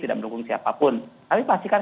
tidak mendukung siapapun tapi pasti kan